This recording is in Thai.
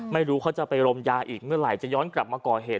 ไม่รู้เขาจะไปรมยาอีกเมื่อไหร่จะย้อนกลับมาก่อเหตุ